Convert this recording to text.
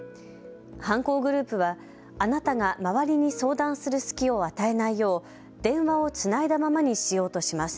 犯行グループは、あなたが周りに相談する隙を与えないよう電話をつないだままにしようとします。